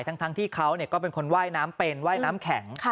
ทั้งที่เขาก็เป็นคนว่ายน้ำเป็นว่ายน้ำแข็ง